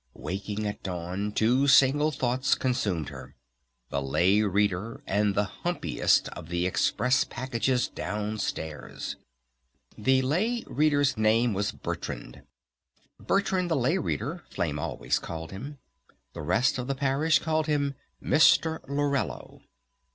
Waking at Dawn two single thoughts consumed her, the Lay Reader, and the humpiest of the express packages downstairs. The Lay Reader's name was Bertrand. "Bertrand the Lay Reader," Flame always called him. The rest of the Parish called him Mr. Laurello.